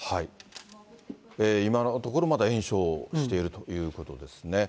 今のところ、まだ延焼しているということですね。